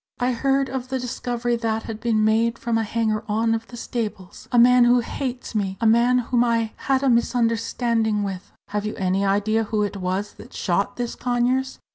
"I heard of the discovery that had been made from a hanger on of the stables, a man who hates me a man whom I had a misunderstanding with." "Have you any idea who it was that shot this Conyers?"